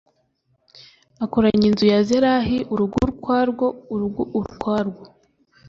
akoranya inzu ya zerahi, urugo ukwarwo, urundi ukwarwo.